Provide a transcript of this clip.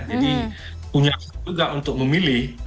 jadi punya hak juga untuk memilih